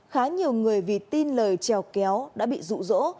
khá nhiều người vì tin lời trèo kéo đã bị rụ rỗ